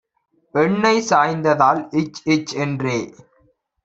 எண்ணெய் சாய்ந்ததால் இச் இச் என்றே